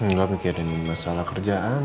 enggak mungkin ada masalah kerjaan